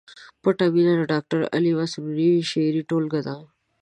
پټه مینه د ډاکټر علي مسرور شعري ټولګه ده